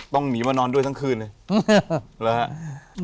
ต้องหนีมานอนด้วยทั้งคืนเลย